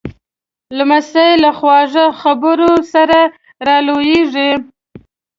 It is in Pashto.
لمسی له خواږه خبرو سره را لویېږي.